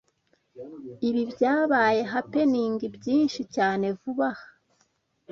Ibi byabaye happening byinshi cyane vuba aha.